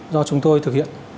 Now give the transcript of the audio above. do chúng tôi thực hiện